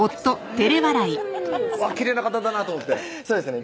きれいな方だなと思ってそうですね